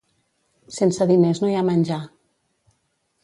Sense diners no hi ha menjar.